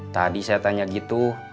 tadi saya tanya gitu